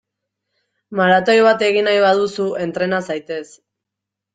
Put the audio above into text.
Maratoi bat egin nahi baduzu, entrena zaitez!